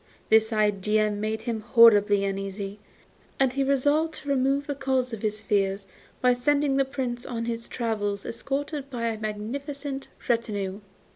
This idea made him horribly uneasy, and he resolved to remove the cause of his fears by sending the Prince on his travels escorted by a magnificent retinue.